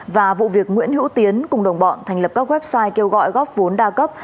và vụ việc nguyễn hữu tiến cùng đồng bọn thành lập các website kêu gọi góp vốn đa cấp